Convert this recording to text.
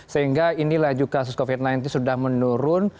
sehingga inilah juga kasus covid sembilan belas sudah menurun